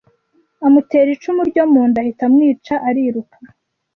amutera icumu ryo munda ahita amwica ariruka